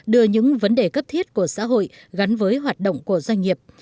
đưa những vấn đề cấp thiết của xã hội gắn với hoạt động của doanh nghiệp